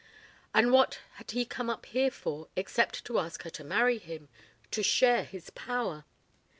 And what had he come up here for except to ask her to marry him to share his power?